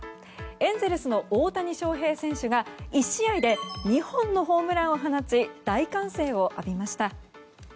エンゼルスの大谷翔平選手が１試合で２本のホームランを放ち大歓声を浴びました。